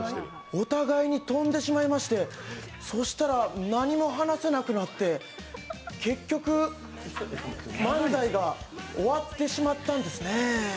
お互いに飛んでしまいまして、そうしたら何も話せなくなって結局、漫才が終わってしまったんですねぇ。